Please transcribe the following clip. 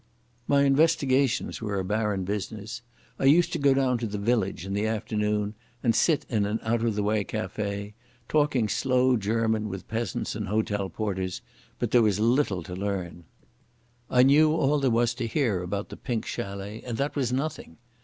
My investigations were a barren business. I used to go down to the village in the afternoon and sit in an out of the way café, talking slow German with peasants and hotel porters, but there was little to learn. I knew all there was to hear about the Pink Chalet, and that was nothing.